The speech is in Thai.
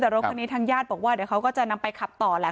แต่รถคันนี้ทางญาติบอกว่าเดี๋ยวเขาก็จะนำไปขับต่อแหละ